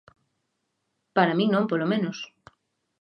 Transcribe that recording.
Para min non, polo menos.